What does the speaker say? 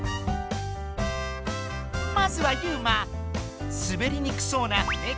まずはユウマすべりにくそうなね